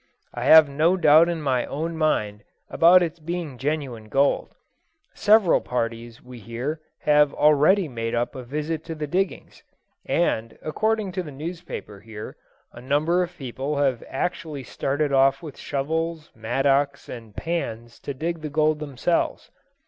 I have no doubt in my own mind about its being genuine gold. Several parties, we hear, are already made up to visit the diggings; and, according to the newspaper here, a number of people have actually started off with shovels, mattocks, and pans to dig the gold themselves.